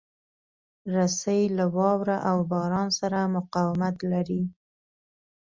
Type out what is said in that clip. رسۍ له واوره او باران سره مقاومت لري.